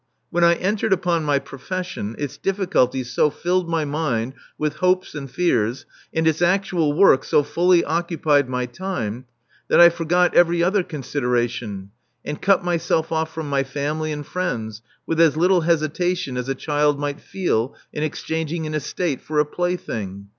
When I entered upon my profession, its difficulties so filled my mind with hopes and fears, and its actual work so fully occupied my time, that I forgot every other con sideration, and cut myself off from my family and friends with as little hesitation as a child might feel in exchanging an estate for a plaything.